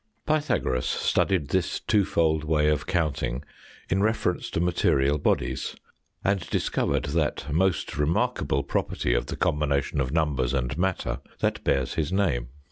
Pythagoras studied this two fold way of . counting in reference to material bodies, and discovered that most remarkable property of the combination of number and matter that Fig. 15. ,. bears his name.